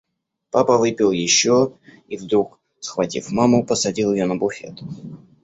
Папа выпил еще и вдруг, схватив маму, посадил ее на буфет.